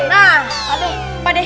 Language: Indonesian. pegangin pak de